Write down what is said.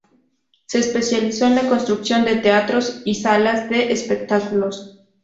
Se especializó en la construcción de teatros y salas de espectáculos.